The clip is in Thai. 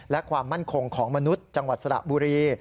และความมั่นคงของมนุษย์จังหวัดสระบุรี